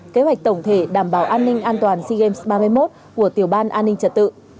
kế hoạch tổng thể đảm bảo an ninh an toàn sea games ba mươi một của tiểu ban an ninh trật tự